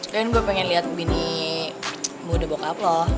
lain gue pengen liat bini muda bokap loh